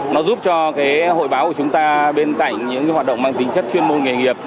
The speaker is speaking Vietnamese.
nó giúp cho hội báo của chúng ta bên cạnh những hoạt động mang tính chất chuyên môn nghề nghiệp